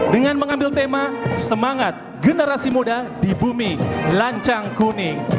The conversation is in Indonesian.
dengan mengambil tema semangat generasi muda di bumi lancang kuning